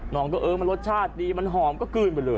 น้องก็เออมันรสชาติดีมันหอมก็กลืนไปเลย